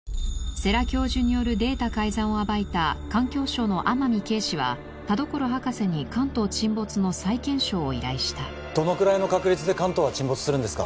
世良教授によるデータ改ざんを暴いた環境省の天海啓示は田所博士に関東沈没の再検証を依頼したどのくらいの確率で関東は沈没するんですか？